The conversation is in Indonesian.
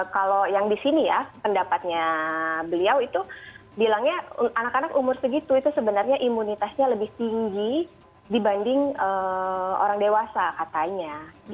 kalau yang di sini ya pendapatnya beliau itu bilangnya anak anak umur segitu itu sebenarnya imunitasnya lebih tinggi dibanding orang dewasa katanya